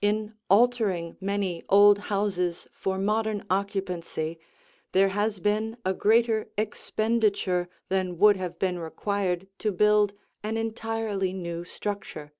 In altering many old houses for modern occupancy, there has been a greater expenditure than would have been required to build an entirely new structure.